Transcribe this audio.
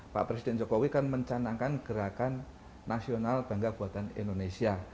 pak presiden jokowi kan mencanangkan gerakan nasional bangga buatan indonesia